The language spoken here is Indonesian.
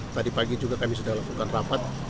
tadi pagi juga kami sudah lakukan rapat